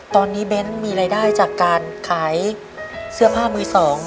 ตอนนี้เบ้นมีรายได้จากการขายเสื้อผ้ามือสอง